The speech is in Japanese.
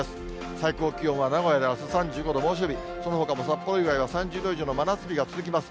最高気温は名古屋であす３５度、猛暑日、そのほかも札幌以外は３０度以上の真夏日が続きます。